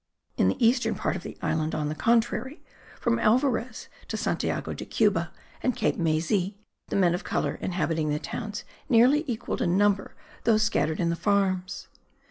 In the eastern part of the island, on the contrary, from Alvarez to Santiago de Cuba and Cape Maysi, the men of colour inhabiting the towns nearly equalled in number those scattered in the farms.